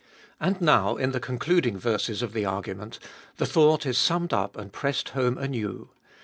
And now, in the concluding verses of the argument, the thought is summed up and pressed home anew.